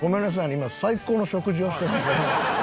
今最高の食事をしてる。